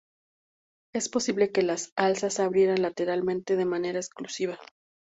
Es posible que las alzas se abrieran lateralmente de manera exclusiva.